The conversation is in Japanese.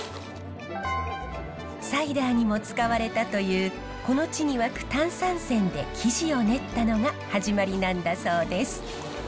サイダーにも使われたというこの地に湧く炭酸泉で生地を練ったのが始まりなんだそうです。